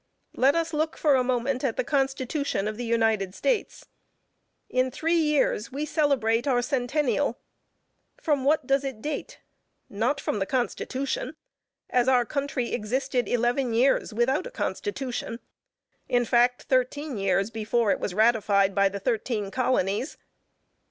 Let us look for a moment, at the Constitution of the United States. In three years we celebrate our centennial. From what does it date? Not from the Constitution, as our country existed eleven years without a Constitution, in fact, thirteen years, before it was ratified by the thirteen colonies.